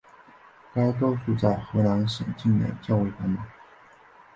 该高速在河南省境内较为繁忙。